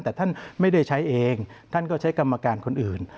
แต่ท่านไม่ได้ใช้เองท่านก็ใช้กรรมการคนอื่น